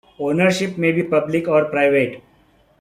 Ownership may be public or private.